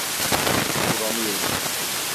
Duramıyorum!